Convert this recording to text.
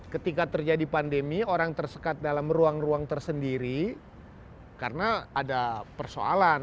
ketika terjadi pandemi orang tersekat dalam ruang ruang tersendiri karena ada persoalan